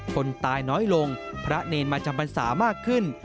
คนตายน้อยลงพระเนรมาจำบรรษามากขึ้น